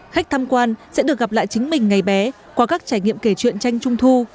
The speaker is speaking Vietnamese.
khách tham quan sẽ được gặp lại chính mình ngày bé qua các trải nghiệm kể chuyện tranh trung thu